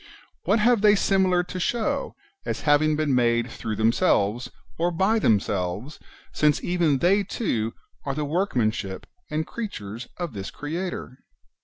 What have they similar to show, as having been made through themselves, or by themselves, since even they too are the workmanship and creatures of this [Creator]